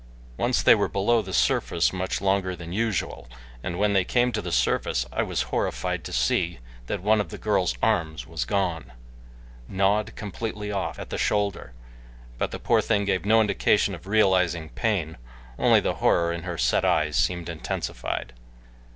Once they were below much longer than usual, and when they came to the surface I was horrified to see that one of the girl's arms was gone gnawed completely off at the shoulder but the poor thing gave no indication of realizing pain, only the horror in her set eyes seemed intensified.